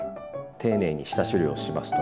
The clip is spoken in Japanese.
丁寧に下処理をしますとね